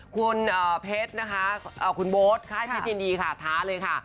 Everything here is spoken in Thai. คุณเพชรนะคะคุณโบ๊ทค่ายเพชรยินดีค่ะท้าเลยค่ะ